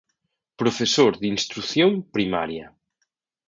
Profesor de instrución primaria.